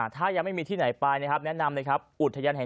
กับเพื่อนก็ได้